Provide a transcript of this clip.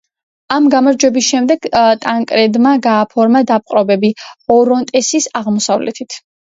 ამ გამარჯვების შემდეგ, ტანკრედმა გააფართოვა დაპყრობები ორონტესის აღმოსავლეთით.